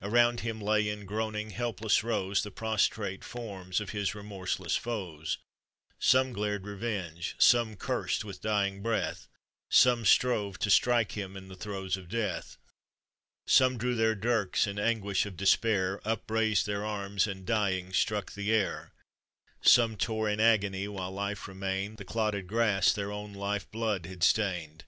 Around him lay, in groaning, helpless rows, The prostrate forms of his remorseless foes; Some glared revenge; some cursed with dying breath ; Some strove to strike him in the throes of death ; Some drew their dirks in anguish of despair, Upraised their arms, and, dying, struck the air ; Some tore, in agony, while life remained, The clotted grass their own life blood had stained.